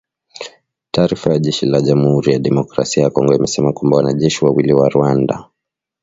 Taarifa ya jeshi la Jamuhuri ya Demokrasia ya Kongo imesema kwamba wanajeshi wawili wa Rwanda